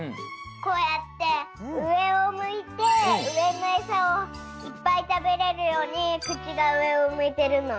こうやってうえをむいてうえのエサをいっぱいたべれるようにくちがうえをむいてるの。